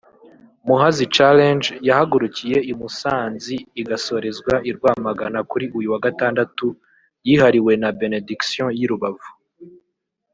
Muhazi Challenge yahagurukiye i Musanzi igasorezwa i Rwamagana kuri uyu wa gatandatu yihariwe na Benediction y’i Rubavu